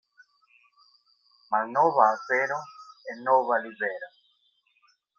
Malnova afero en nova livero.